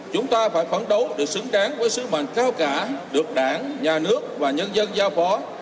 chúng ta phải phấn đấu để xứng đáng với sứ mạnh cao cả được đảng nhà nước và nhân dân giao bó